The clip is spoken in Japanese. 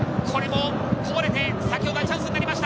こぼれて、先ほどからのチャンスになりました。